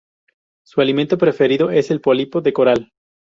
Su alimento preferido es el pólipo de coral.